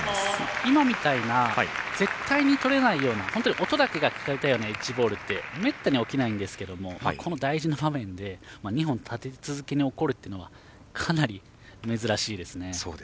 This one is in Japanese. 今みたいな絶対に取れないような音だけが聞こえたようなエッジボールってめったに起こらないんですけどこんな大事な場面で２本立て続けに起こるというのはかなり珍しいですね。